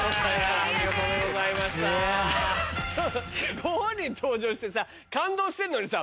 ご本人登場して感動してんのにさ。